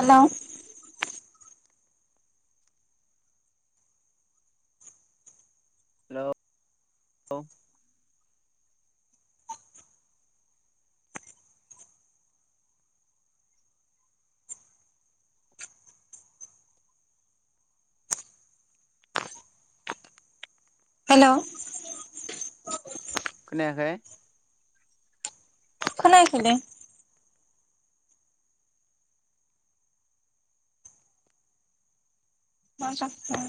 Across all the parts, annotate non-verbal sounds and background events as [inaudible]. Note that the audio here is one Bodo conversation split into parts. हेल' हेल' औ हेल' खोनायाखैय? खोनायाखैय लोय। मा जाखो?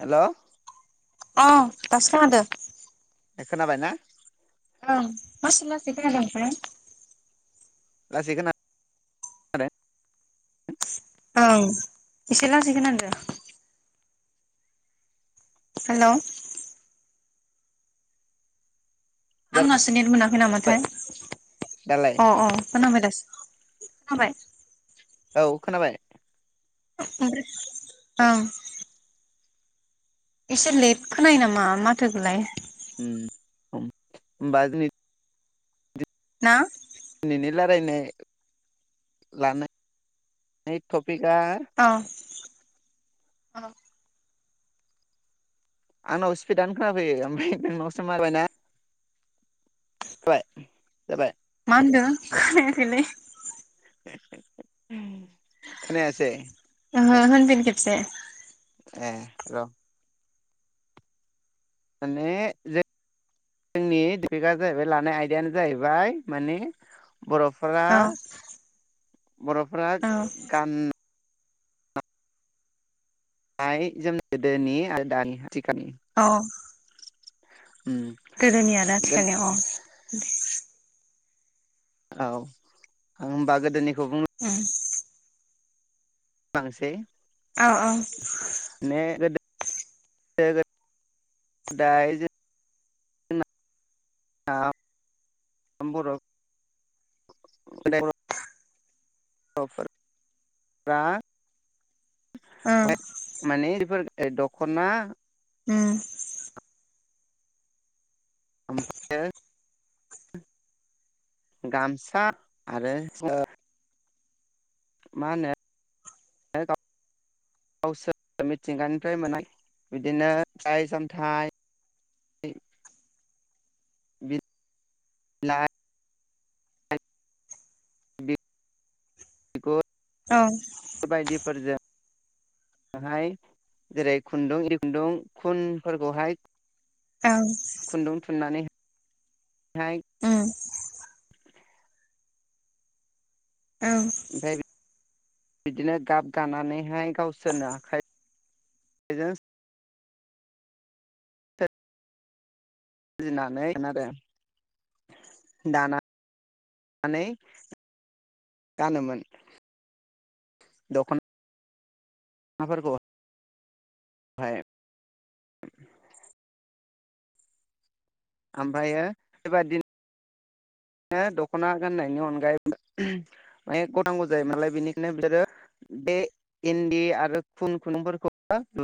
हेल' अ दासो खोनादों। ए खोनाबाय ना? मासि लासै खोनादों ओमफ्राय लासै खोना ओं एसे लासै खोनादों दे। हेल' आंनासो नेट मोनाखै जाबाय नामाथाय दालाय अ अ खोनाबाय दासो खोनाबाय औ खोनाबाय? [unintelligible] औ एसे लेट खोनायो नामा माथो खौलाय ओम ओमबा दिनै ना दिनैनि रायलायनाय लानाय टपिकआ औ औ आंनाव स्पिडआनो खोनाफैयो ओमफ्राय नोंनावसो माबाय ना बाय जाबाय मा होनदों खोनायाखैलै खोनायासैय? ओहो होनफिन खेबसे। ए र' माने जे जोंनि टपिकआ जाहैबाय लानाय आयदायानो जाहैबाय माने बर'फोरा औ बर'फोरा औ गान नाइ जोम गोदोनि आरो दानि आथिखालनि अ उम गोदोनि आरो आथिखालनि अ औ होमबा गोदोनिखौ बुं उम बांसै औ औ माने गोदो [unintelligible] दाय [unintelligible] [unintelligible] औ माने बेफोर [unintelligible] दख'ना उम [inaudible] गामसा आरो [unintelligible] मा होनो [unintelligible] गावसोर मिथिंगानिफ्राय मोननाय बिदिनो फिथाइ-सामथाइ बि लाइ बिगु औ बायदिफोरजों हाय जेरै खुन्दुं [unintelligible] खुन्दुं खुनफोरखौहाय औ खुन्दुं थुननानै हाय उ औ [unintelligible] बिदिनो गाब गानानैहाय गावसोरनो आखाइ जों [unintelligible] आरो दाना नै गानोमोन दखन नाफोरखौ हाय ओमफायो बेबादि नो दख'ना गाननायनि अनगायै माने [unintelligible] नालाय बेनिखायनो बिसोरो बे इन्दि आरो खुन खुन्दुंफोरखौबो [unintelligible]